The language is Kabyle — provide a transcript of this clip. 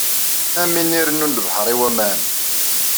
Am win irennun lebḥer i waman.